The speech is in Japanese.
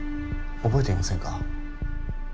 覚えていませんか？